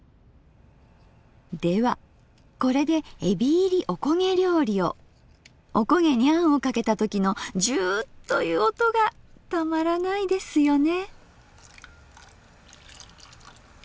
ではこれでおこげにあんをかけた時のジュウという音がたまらないですよね。